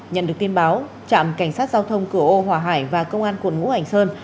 nhận được tin báo trạm cảnh sát giao thông cửa ô hòa hải và công an quận ngũ hành sơn